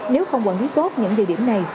nếu không quản lý tốt những địa điểm này